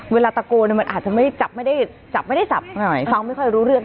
เวลาตะโกนมันอาจจะไม่ได้จับไม่ได้จับไม่ได้จับฟังไม่ค่อยรู้เรื่อง